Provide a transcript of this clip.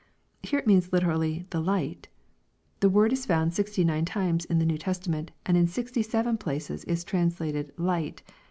Here it means literally, " the light," The word is found sixty nine times in the New Testament, and in sixty seven places is translated " light."